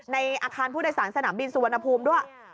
ในอาคารผู้โดยสารสนามบินสุวรรณภูมิด้วย